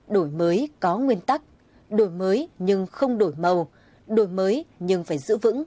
đổi mới có nguyên tắc đổi mới nhưng không đổi màu đổi mới nhưng phải giữ vững